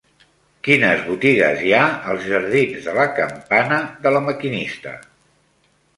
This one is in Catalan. Quines botigues hi ha als jardins de la Campana de La Maquinista?